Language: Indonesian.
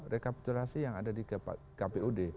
rekapitulasi yang ada di kpud